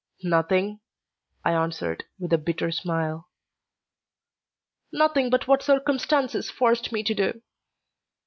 "Nothing?" I answered, with a bitter smile. "Nothing but what circumstances forced me to do."